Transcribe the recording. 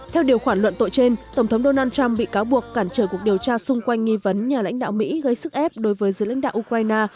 theo điều khoản luận tội trên tổng thống donald trump bị cáo buộc cản trở cuộc điều tra xung quanh nghi vấn nhà lãnh đạo mỹ gây sức ép đối với giữa lãnh đạo ukraine